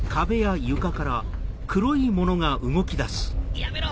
やめろ！